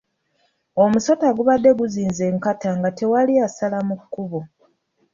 Omusota gubadde guzinze enkata nga tewali asala mu kkubo.